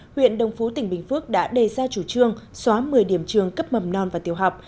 huyện đồng phú tỉnh bình phước đã đề ra chủ trương xóa một mươi điểm trường cấp mầm non và tiểu học